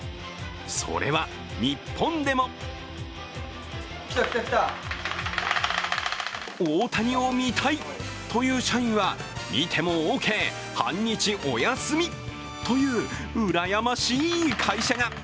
それは、日本でも大谷を見たいという社員は見てもオーケー、半日お休みという羨ましい会社が。